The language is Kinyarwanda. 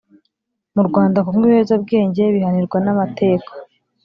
Murwanda kunywa ibiyobyabwenge bihanirwa namateko